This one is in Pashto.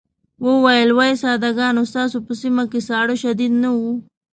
وویل وای ساده ګانو ستاسو په سيمه کې ساړه شديد نه وو.